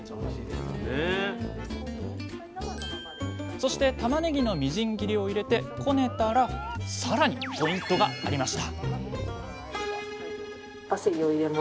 そしてたまねぎのみじん切りを入れてこねたらさらにポイントがありました